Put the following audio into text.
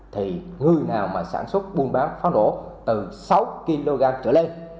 thì người nào mà sản xuất buôn bán pháo nổ từ sáu kg trở lên